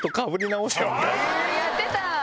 やってた！